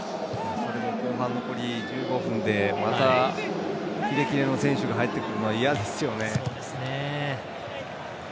それも後半残り１５分でまたキレキレの選手が入ってくるのは嫌ですよね。